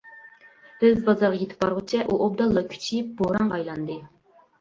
بىز بازارغا يېتىپ بارغۇچە ئۇ ئوبدانلا كۈچىيىپ، بورانغا ئايلاندى.